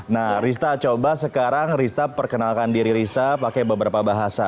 nah rista coba sekarang rista perkenalkan diri rista pakai beberapa bahasa